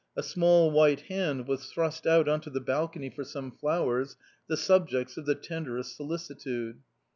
A small white hand was thrust out on to the balcony for some flowers, the subjects of the tenderest solicitude.